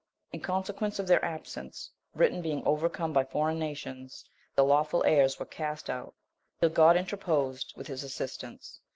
In consequence of their absence, Britain being overcome by foreign nations, the lawful heirs were cast out, till God interposed with his assistance.